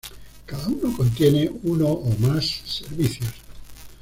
Cada uno contiene uno o más servicios.